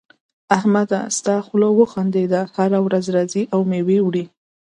احمد ستا خوله وخوندېده؛ هر ورځ راځې او مېوه وړې.